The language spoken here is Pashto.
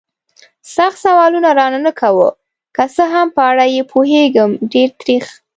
سخت سوالونه را نه کوه. که څه هم په اړه یې پوهېږم، ډېر تریخ.